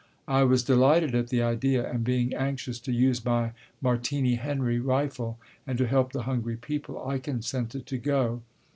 I was delighted at the idea, and being anxious to use my "Martini Henry" rifle and to help the hungry people, I consented to go.